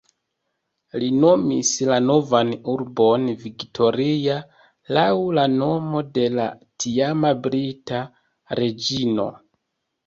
Li nomis la novan urbon Victoria laŭ la nomo de la tiama brita reĝino.